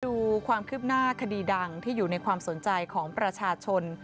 ดูความคืบหน้าคดีดังที่อยู่ในความสนใจของประชาชน